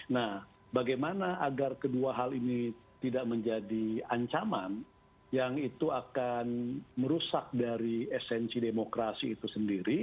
nah bagaimana agar kedua hal ini tidak menjadi ancaman yang itu akan merusak dari esensi demokrasi itu sendiri